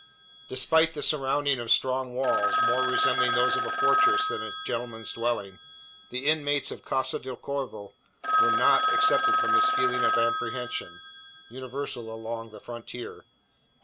Despite the surrounding of strong walls more resembling those of a fortress than a gentleman's dwelling the inmates of Casa del Corvo were not excepted from this feeling of apprehension, universal along the frontier.